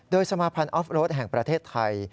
โดยสมาพันธ์ออฟโรดแห่งประเทศไทย